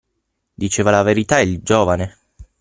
Diceva la verità il giovane?